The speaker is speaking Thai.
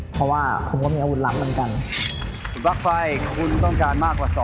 เพราะว่าผมก็มีอาวุธลับบางกัน